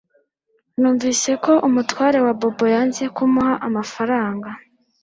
Numvise ko umutware wa Bobo yanze kumuha amafaranga